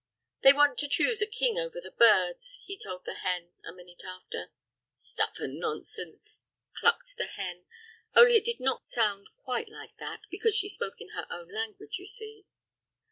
"They want to choose a king over the birds," he told the hen, a minute after. "Stuff and nonsense!" clucked the hen; only it did not sound quite like that, because she spoke in her own language, you see.